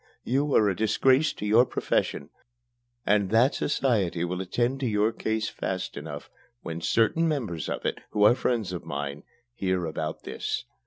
You are a disgrace to your profession, and that society will attend to your case fast enough when certain members of it, who are friends of mine, hear about this.